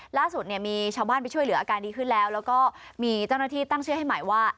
ล่าสุดเนี่ยมีชาวบ้านไปช่วยเหลืออาการดีขึ้นแล้วแล้วก็มีเจ้าหน้าที่ตั้งชื่อให้ใหม่ว่า